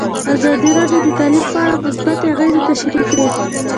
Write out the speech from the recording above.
ازادي راډیو د تعلیم په اړه مثبت اغېزې تشریح کړي.